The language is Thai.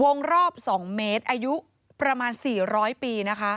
วงรอบ๒เมตรอายุประมาณ๔๐๐ปีนะคะ